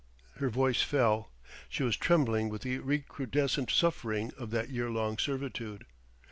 Her voice fell; she was trembling with the recrudescent suffering of that year long servitude.